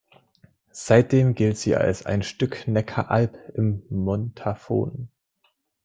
Seitdem gilt sie als „ein Stück Neckar-Alb im Montafon“.